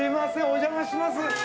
お邪魔します。